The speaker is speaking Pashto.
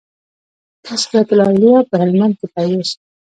"تذکرةالاولیاء" په هلمند کښي پيدا سو.